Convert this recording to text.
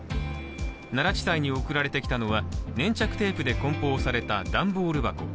奈良地裁に送られてきたのは粘着テープでこん包された段ボール箱。